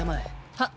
「はっ」